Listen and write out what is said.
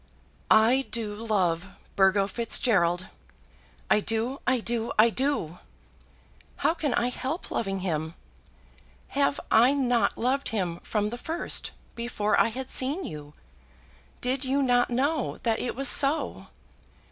I do love Burgo Fitzgerald. I do! I do! I do! How can I help loving him? Have I not loved him from the first, before I had seen you? Did you not know that it was so?